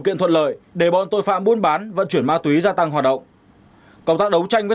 kỳ đặc biệt để bọn tội phạm buôn bán vận chuyển ma túy gia tăng hoạt động công tác đấu tranh với